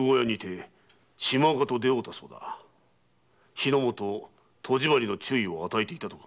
火の元・戸締まりの注意を与えていたとか。